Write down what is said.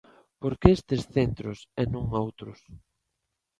¿Por que estes centros e non outros?